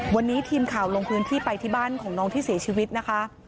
วันนี้ทีมข่าวลงพื้นที่ไปที่บ้านของน้องที่เสียชีวิตนะคะ